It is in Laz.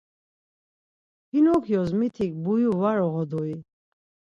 Pinokyos mitik buyu var oğodui?